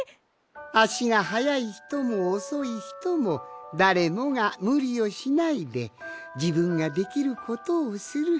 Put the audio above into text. あしがはやいひともおそいひともだれもがむりをしないでじぶんができることをする。